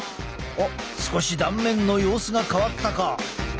少し断面の様子が変わったか？